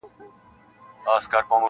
یوه ورځ به زه هم تنګ یمه له پلاره-